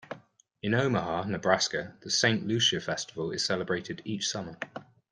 In Omaha, Nebraska, the Santa Lucia Festival is celebrated each summer.